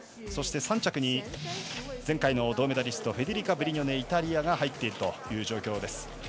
そして３着に前回の銅メダリストフェデリカ・ブリニョネイタリアが入っているという状況。